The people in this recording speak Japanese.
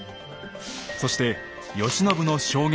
そして慶喜の証言